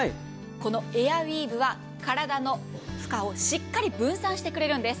このエアウィーヴは体の負荷をしっかり分散してくれるんです。